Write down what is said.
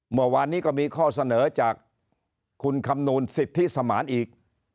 เมื่อวานนี้ก็มีข้อเสนอจากคุณคำนวณสิทธิสมานอีก